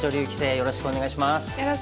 よろしくお願いします。